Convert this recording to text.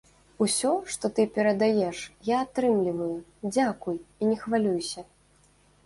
Усё, што ты перадаеш, я атрымліваю, дзякуй і не хвалюйся.